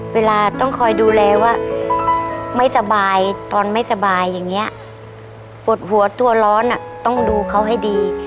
ปวดหัวตัวร้อนต้องดูเขาให้ดี